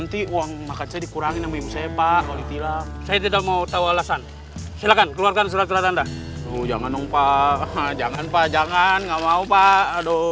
jangan dong pak jangan pak jangan gak mau pak aduh